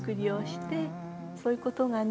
そういうことがね